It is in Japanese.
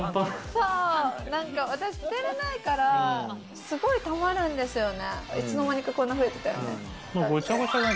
私、捨てれないからすごいたまるんですよね。